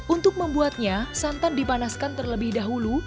untuk membuatnya santan dipanaskan terlebih dahulu